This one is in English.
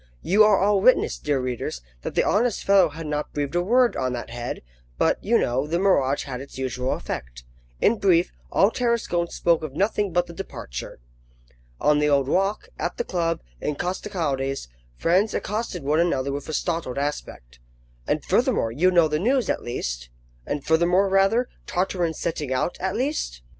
You are all witness, dear readers, that the honest fellow had not breathed a word on that head; but, you know, the mirage had its usual effect. In brief, all Tarascon spoke of nothing but the departure. On the Old Walk, at the club, in Costecalde's, friends accosted one another with a startled aspect: "And furthermore, you know the news, at least?" "And furthermore, rather? Tartarin's setting out, at least?"